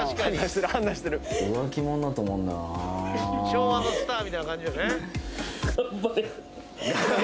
「昭和のスターみたいな感じね」